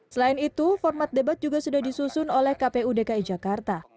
selain itu format debat juga sudah disusun oleh kpu dki jakarta